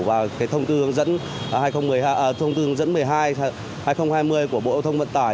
và thông tư hướng dẫn một mươi hai hai nghìn hai mươi của bộ giao thông vận tải